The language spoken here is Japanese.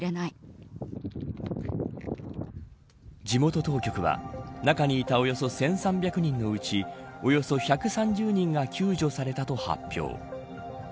地元当局は中にいたおよそ１３００人のうちおよそ１３０人が救助されたと発表。